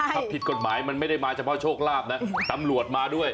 ถ้าผิดกฎหมายมันไม่ได้มาเฉพาะโชคลาภนะตำรวจมาด้วย